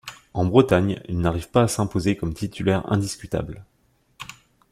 En Bretagne, il n'arrive pas à s'imposer comme titulaire indiscutable.